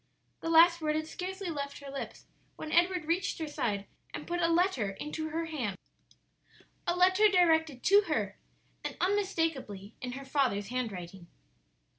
The last word had scarcely left her lips when Edward reached her side and put a letter into her hand a letter directed to her, and unmistakably in her father's handwriting.